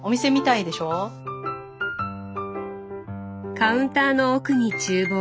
カウンターの奥に厨房。